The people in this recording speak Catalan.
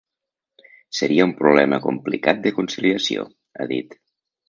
“Seria un problema complicat de conciliació”, ha dit.